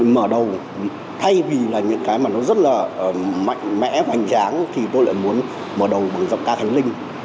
mở đầu thay vì là những cái mà nó rất là mạnh mẽ hoành tráng thì tôi lại muốn mở đầu bằng giọng ca khánh linh